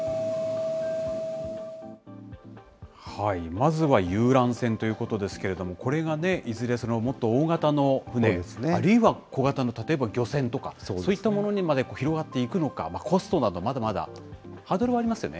まずは遊覧船ということですけれども、これがいずれ、もっと大型の船、あるいは小型の例えば、漁船とか、そういったものにまで広がっていくのか、コストなどまだまだハードルはありますよね。